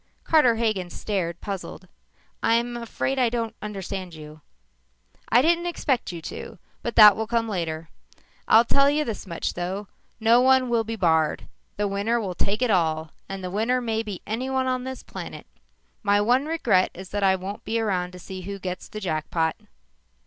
Carter Hagen stared, puzzled. "I'm afraid I don't understand you." "I didn't expect you to, but that will come later. I'll tell you this much, though. No one will be barred. The winner will take all, and the winner may be anyone on this planet. My one regret is that I won't be around to see who gets the jackpot."